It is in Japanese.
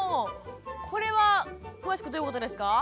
これは詳しくどういうことですか？